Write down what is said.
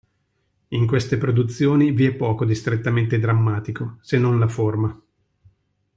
In queste produzioni vi è poco di strettamente drammatico se non la forma.